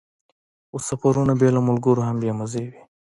خو سفرونه بې له ملګرو هم بې مزې وي.